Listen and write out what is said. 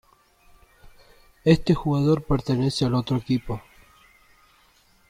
Este jugador pertenece al otro equipo.